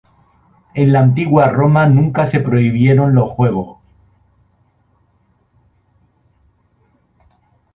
En la antigua Roma nunca se prohibieron los juegos.